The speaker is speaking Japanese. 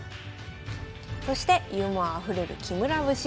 そしてユーモアあふれる木村節。